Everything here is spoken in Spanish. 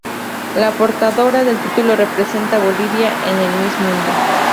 La portadora del título, representa a Bolivia en el Miss Mundo.